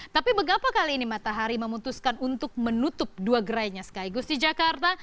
tapi begapa kali ini matahari memutuskan untuk menutup dua gerainya sekaligus di jakarta